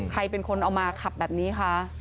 ใครเป็นคนเอามาขับแบบนี้คะ